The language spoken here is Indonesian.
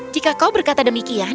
jika kau berkata begitu